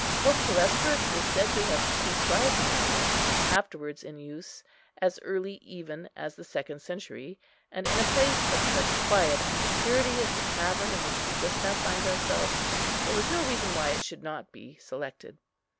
Pope Telesphorus is said to have prescribed the hour, afterwards in use, as early even as the second century; and in a place of such quiet and security as the cavern in which we just now find ourselves, there was no reason why it should not be selected.